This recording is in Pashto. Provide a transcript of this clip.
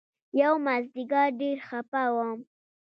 يومازديگر ډېر خپه وم.